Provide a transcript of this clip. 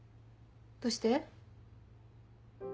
どうして？